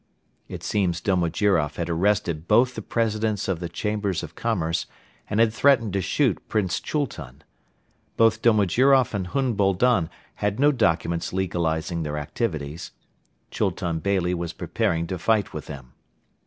It seems Domojiroff had arrested both the Presidents of the Chambers of Commerce and had threatened to shoot Prince Chultun. Both Domojiroff and Hun Boldon had no documents legalizing their activities. Chultun Beyli was preparing to fight with them.